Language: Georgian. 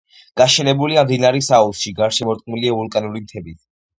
გაშენებულია მდინარის აუზში, გარსშემორტყმულია ვულკანური მთებით.